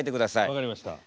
分かりました。